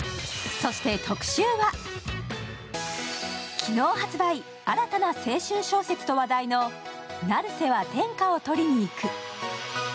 昨日発売、新たな青春小説と話題の「成瀬は天下を取りにいく」。